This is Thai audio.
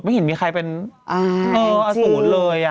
ไม่เห็นมีใครเป็นอสูรเลยอ่ะ